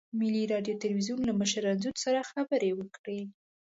ملي راډیو تلویزیون له مشر انځور سره خبرې وکړې.